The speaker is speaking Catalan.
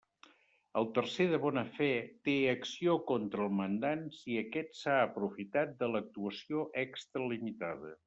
El tercer de bona fe té acció contra el mandant si aquest s'ha aprofitat de l'actuació extralimitada.